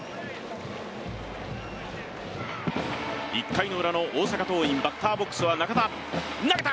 １回の裏の大阪桐蔭バッターボックスは中田投げた！